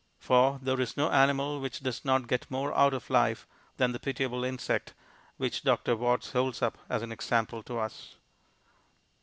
For there is no animal which does not get more out of life than the pitiable insect which Dr. Watts holds up as an example to us.